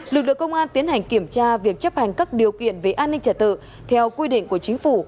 lực lượng công an tiến hành kiểm tra việc chấp hành các điều kiện về an ninh trả tự theo quy định của chính phủ